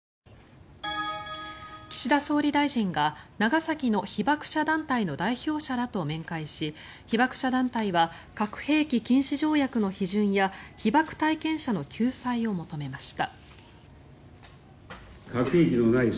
岸田総理大臣が長崎の被爆者団体の代表者らと面会し被爆者団体は核兵器禁止条約の批准や被爆体験者の救済を求めました。